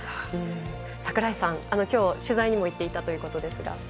櫻井さん、きょう取材にも行っていたということですが。